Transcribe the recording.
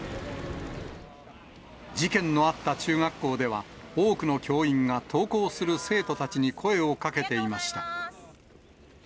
事件のあった中学校では、多くの教員が登校する生徒たちに声をかけていました。